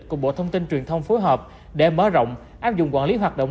cùng bộ thông tin truyền thông phối hợp để mở rộng áp dụng quản lý hoạt động